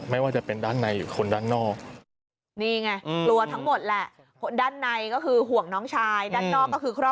ไม่ว่าจะเป็นด้านในหรือคนด้านนอก